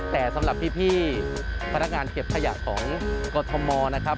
แต่สำหรับพี่พนักงานเก็บขยะของกรทมนะครับ